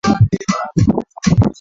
lakini najua tulipotoka